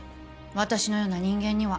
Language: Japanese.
私のような人間には。